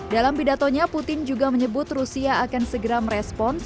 dalam pidatonya putin juga menyebut rusia akan segera merespons